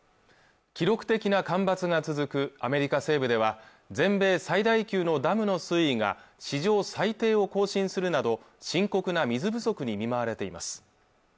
記録的な干ばつが続くアメリカ西部では全米最大級のダムの水位が史上最低を更新するなど深刻な水不足に見舞われています